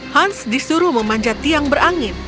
hans disuruh memanjat tiang berangin